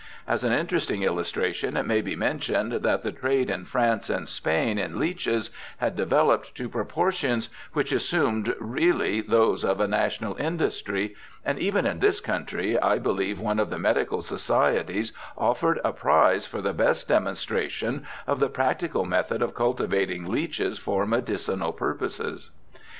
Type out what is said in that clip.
As an interesting illustration it may be mentioned that the trade in France and Spain in leeches had developed to proportions which assumed really those of a national industry, and even in this country I believe one of the medical societies offered a prize for the best demonstra tion of the practical method of cultivating leeches for medicinal purposes.